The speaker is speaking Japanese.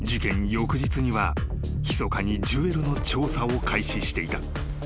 翌日にはひそかにジュエルの調査を開始していた］